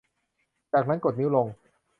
จากนั้นกดนิ้วลง